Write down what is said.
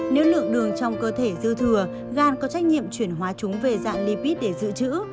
nếu lượng đường trong cơ thể dư thừa gan có trách nhiệm chuyển hóa chúng về dạng lipid để dự trữ